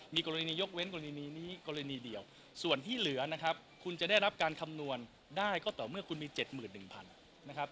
มีกรณียกเว้นกรณีนี้กรณีเดียวส่วนที่เหลือนะครับคุณจะได้รับการคำนวณได้ก็ต่อเมื่อคุณมี๗๑๐๐๐นะครับ